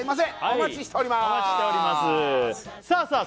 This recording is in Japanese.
お待ちしておりますさあさあ